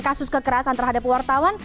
kasus kekerasan terhadap wartawan